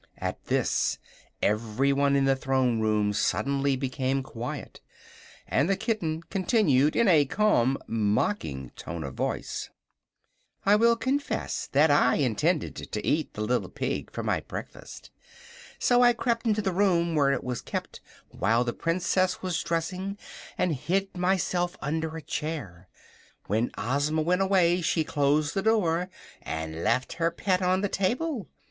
At this everyone in the Throne Room suddenly became quiet, and the kitten continued, in a calm, mocking tone of voice: "I will confess that I intended to eat the little pig for my breakfast; so I crept into the room where it was kept while the Princess was dressing and hid myself under a chair. When Ozma went away she closed the door and left her pet on the table.